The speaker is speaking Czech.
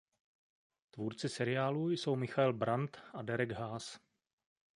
Tvůrci seriálu jsou Michael Brandt a Derek Haas.